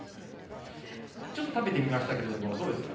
ちょっと食べてみましたけれども、どうですか。